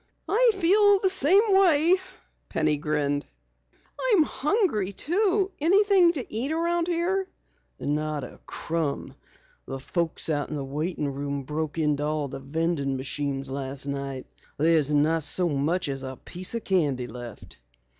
"I feel the same way," Penny grinned. "I'm hungry too. Anything to eat around here?" "Not a crumb. The folks out in the waiting room broke into all the vending machines last night. There's not so much as a piece of candy left."